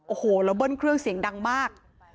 โอ้โหแล้วเบิ้ลเครื่องเสียงดังมาก